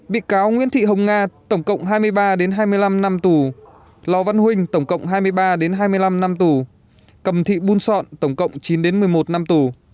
bị cáo nguyễn thị hồng nga tổng cộng hai mươi ba hai mươi năm năm tù lò văn huynh tổng cộng hai mươi ba hai mươi năm năm tù cầm thị buôn sọn tổng cộng chín một mươi một năm tù